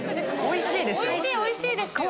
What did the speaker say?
おいしいですよ。